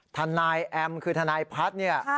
ธนายแอมคือธนายพัดเนี่ย